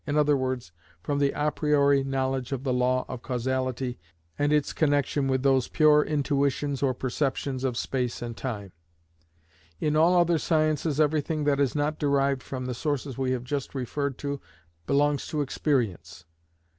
e._, from the a priori knowledge of the law of causality and its connection with those pure intuitions or perceptions of space and time. In all other sciences everything that is not derived from the sources we have just referred to belongs to experience.